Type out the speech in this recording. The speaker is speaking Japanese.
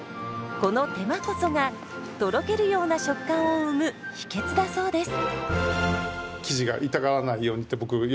この手間こそがとろけるような食感を生む秘訣だそうです。